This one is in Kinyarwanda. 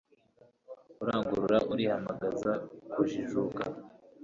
ukarangurura urihamagaza kujijuka